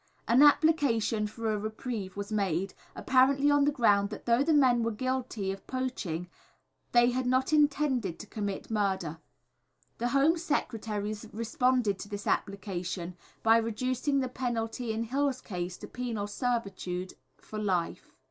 An application for a reprieve was made, apparently on the ground that though the men were guilty of poaching, they had not intended to commit murder. The Home Secretary responded to this application by reducing the penalty in Hill's case to penal servitude for life.